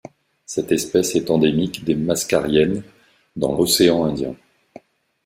Cette espèce est endémique des Mascareignes, dans l'océan Indien.